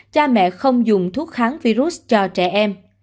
cha mẹ không dùng thuốc kháng virus cho trẻ em